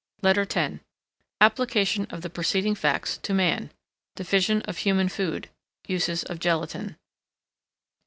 LETTER X Application of the preceding facts to Man. Division of human Food. Uses of Gelatine.